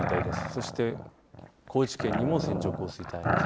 そして高知県にも線状降水帯あります。